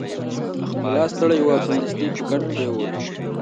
ملا ستړی و او سمدستي په کټ پریوت.